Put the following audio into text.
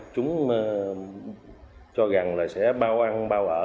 chúng cho gần là sẽ bao ăn bao ở